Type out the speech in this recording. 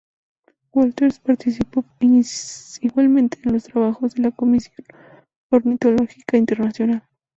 Wolters participó igualmente en los trabajos de la Comisión ornitológica internacional.